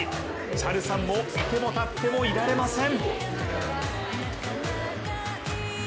ＣＨＡＬさんも、いてもたってもいられません。